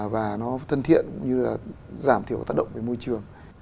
và nó thân thiện cũng như là giảm thiểu tác động về môi trường